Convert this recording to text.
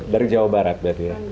dari jawa barat berarti ya